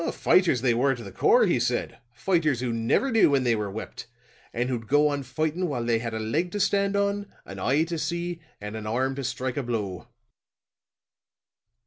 Fighters they were to the core, he said, fighters who never knew when they were whipped, and who'd go on fighting while they had a leg to stand on, an eye to see, and an arm to strike a blow."